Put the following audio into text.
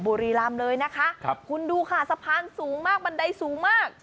บุรีรำเลยนะคะครับคุณดูค่ะสะพานสูงมากบันไดสูงมาก